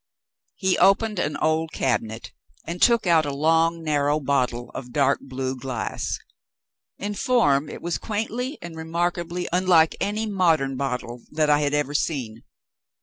He opened an old cabinet, and took out a long narrow bottle of dark blue glass. In form, it was quaintly and remarkably unlike any modern bottle that I had ever seen.